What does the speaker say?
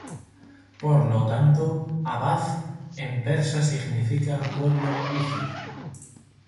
Por lo tanto, "Ahvaz" en persa significa "pueblo huz-i".